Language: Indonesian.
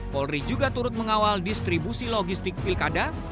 polri juga turut mengawal distribusi logistik pilkada